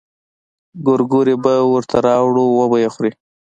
ګورګورې به ورته راوړو وبه يې خوري.